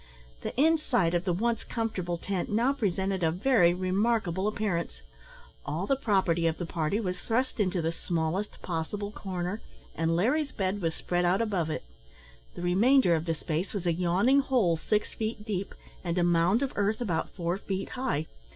The inside of the once comfortable tent now presented a very remarkable appearance. All the property of the party was thrust into the smallest possible corner, and Larry's bed was spread out above it; the remainder of the space was a yawning hole six feet deep, and a mound of earth about four feet high.